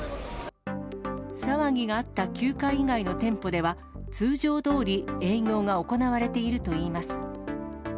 騒ぎがあった９階以外の店舗では、通常どおり営業が行われているといいます。